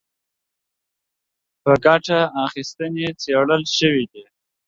په ګټه اخیستنې څېړل شوي دي